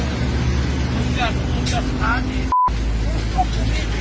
ไม่ต้องไม่ต้อง